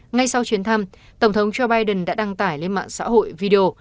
ngay sau chuyến thăm tổng thống joe biden đã đăng tải lên mạng xã hội video